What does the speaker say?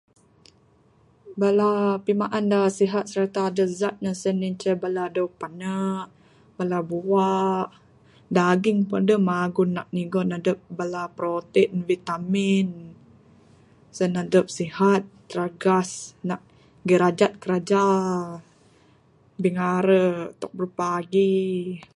Bala pimaan da sihat serta adeh zat sien inceh bala dawe pane bala buah...daging pun adeh mah aguh ne nak nyugon adep bala protein vitamin...sen adep sihat ciragas nak girajat kiraja...bingare tok burupagi.